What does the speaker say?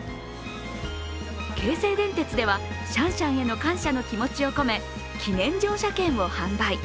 京成電鉄ではシャンシャンへの感謝の気持ちを込め、記念乗車券を販売。